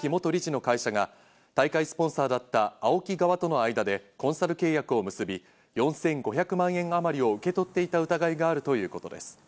関係者によりますと組織委員会の高橋治之元理事の会社が大会スポンサーだったＡＯＫＩ側との間でコンサル契約を結び、４５００万円あまりを受け取っていた疑いがあるということです。